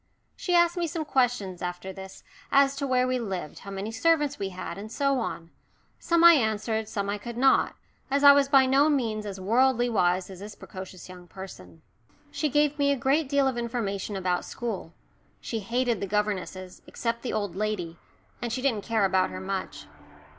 She asked me some questions after this as to where we lived, how many servants we had, and so on. Some I answered some I could not, as I was by no means as worldly wise as this precocious young person. She gave me a great deal of information about school she hated the governesses, except the old lady, and she didn't care about her much.